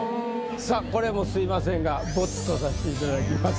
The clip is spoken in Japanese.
さあこれもすみませんがボツとさせていただきます。